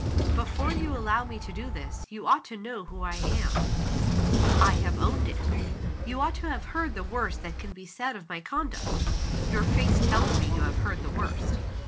Before you allow me to do this, you ought to know who I am. (I have owned it.) You ought to have heard the worst that can be said of my conduct. (Your face tells me you have heard the worst.)